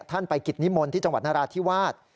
ท่านไปกิจนิมนตร์ที่จังหวัดนราศน์ที่วาด